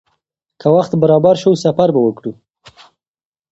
که وخت برابر شي، سفر به وکړو.